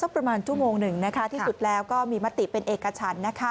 ประมาณชั่วโมงหนึ่งที่สุดแล้วก็มีมติเป็นเอกชัน